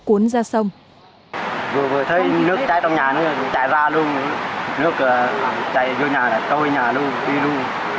vừa vừa thấy nước cháy trong nhà nó chạy ra luôn nước chạy vô nhà là tôi nhà luôn đi luôn